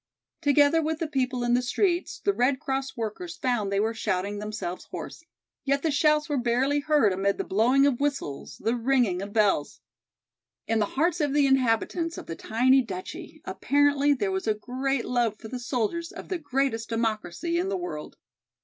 Together with the people in the streets the Red Cross workers found they were shouting themselves hoarse. Yet the shouts were barely heard amid the blowing of whistles, the ringing of bells. In the hearts of the inhabitants of the tiny duchy apparently there was a great love for the soldiers of the greatest democracy in the world.